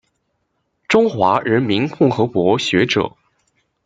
中华人民共和国学者。